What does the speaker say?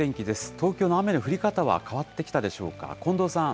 東京の雨の降り方は変わってきたでしょうか？